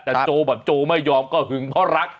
แต่โจแบบโจไม่ยอมก็หึงเพราะรัก